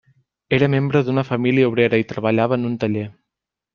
Era membre d'una família obrera i treballava en un taller.